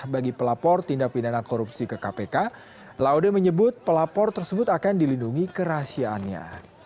bagi pelapor tindak pidana korupsi ke kpk laude menyebut pelapor tersebut akan dilindungi kerahasiaannya